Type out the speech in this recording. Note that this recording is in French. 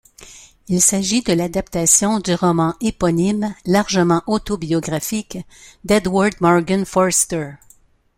Il s’agit de l’adaptation du roman éponyme largement autobiographique d'Edward Morgan Forster.